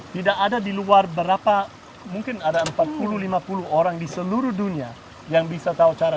tidak ada di luar berapa mungkin ada empat puluh lima puluh orang di seluruh dunia yang bisa tahu cara